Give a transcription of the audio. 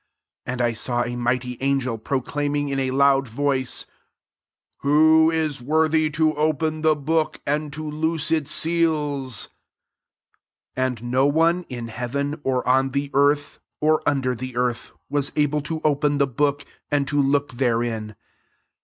2 And I saw a migh ty angel proclaiming in a loud voice, " Who [i#] worthy to open the book, and to loose its seals? S And no one in hea ven, or on the earth, or under the earth, was able to open the book, and to look therein.